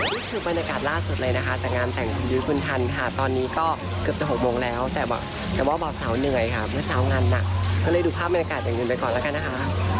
นี่คือบรรยากาศล่าสุดเลยนะคะจากงานแต่งคุณยุ้ยคุณทันค่ะตอนนี้ก็เกือบจะ๖โมงแล้วแต่ว่าเบาสาวเหนื่อยค่ะเมื่อเช้างานหนักก็เลยดูภาพบรรยากาศอย่างเงินไปก่อนแล้วกันนะคะ